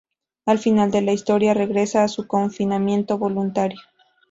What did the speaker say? Al final de la historia, regresa a su confinamiento voluntario.